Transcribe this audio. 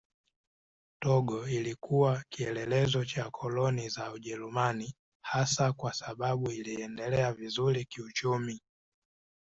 Togo ilikuwa kielelezo cha koloni za Ujerumani hasa kwa sababu iliendelea vizuri kiuchumi.